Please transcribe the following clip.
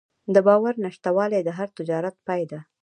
د باور نشتوالی د هر تجارت پای ده.